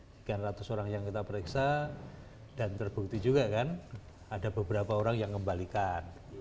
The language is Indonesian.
sekian ratus orang yang kita periksa dan terbukti juga kan ada beberapa orang yang kembalikan